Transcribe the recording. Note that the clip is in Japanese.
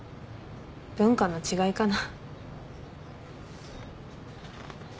文化の違いかな。